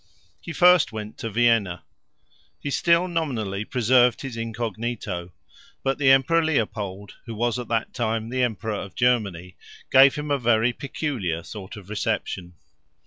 He first went to Vienna. He still nominally preserved his incognito; but the Emperor Leopold, who was at that time the Emperor of Germany, gave him a very peculiar sort of reception.